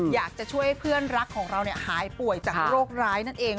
อยากจะช่วยให้เพื่อนรักของเราหายป่วยจากโรคร้ายนั่นเอง